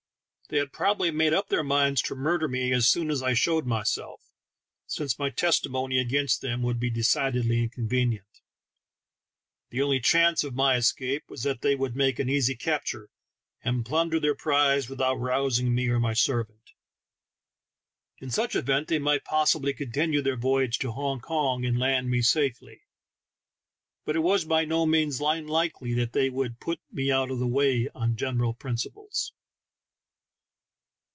They had probably made up their minds to murder me as soon as I showed myself, since my testimony against them would be decidedly incon venient. The only chance of my escape was that they would make an easy capture and plunder their prize without rousing me or my servant. In such event they^might possibly continue their voy age to Hong Kong and land me safely ; but it was 24 THE TALKING HANDKERCHIEF. by no means unlikely that they would put me out of the way on general principles.